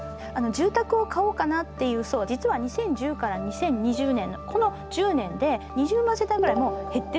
住宅を買おうかなっていう層は実は２０１０から２０２０年のこの１０年で２０万世帯ぐらいもう減ってるんですね。